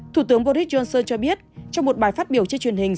thủ tướng boris johnson cho biết trong một bài phát biểu trên truyền hình